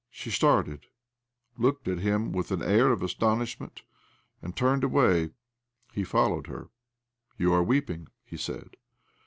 She started, looked at him with an air of astonishment, and turned away. He fol lowed her. "You are weeping?" he said.